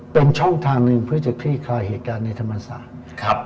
เป็นช่องทางหนึ่งเพื่อจะคลี่คลายเหตุการณ์ในธรรมศาสตร์ครับ